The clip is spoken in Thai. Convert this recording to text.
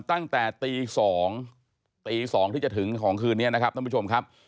ตั้งแต่ตี๒ตี๒ที่จะถึงของคืนนี้นะครับท่านผู้ชมครับ